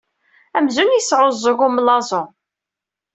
Amzun yesɛuẓẓug umellaẓu!